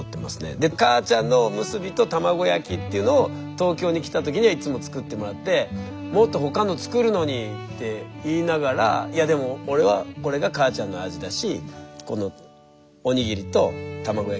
で母ちゃんのおむすびと卵焼きっていうのを東京に来た時にはいつも作ってもらって「もっと他の作るのに」って言いながらいやでも俺はこれが母ちゃんの味だしこのお握りと卵焼きとおみそ汁